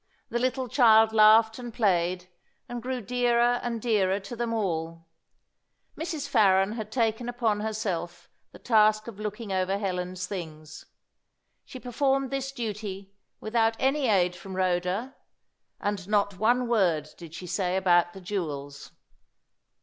The little child laughed and played, and grew dearer and dearer to them all. Mrs. Farren had taken upon herself the task of looking over Helen's things. She performed this duty without any aid from Rhoda; and not one word did she say about the jewels.